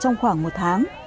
trong khoảng một tháng